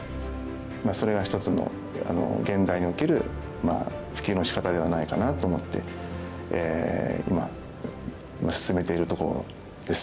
それが一つの現代における普及のしかたではないかなと思って今進めているところです。